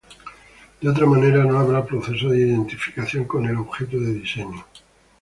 De otra manera no habrá proceso de identificación con el objeto de diseño.